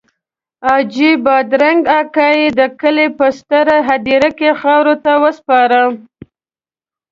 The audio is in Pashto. حاجي بادرنګ اکا یې د کلي په ستره هدیره کې خاورو ته وسپاره.